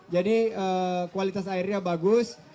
jadi kualitas airnya bagus